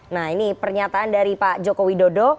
nah ini pernyataan dari pak jokowi dodo